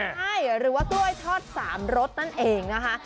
ใช่หรือว่ากล้วยทอด๓รสนั่นเองนะคะ